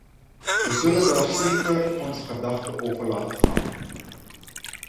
Wij zullen daar zeker onze gedachten over laten gaan.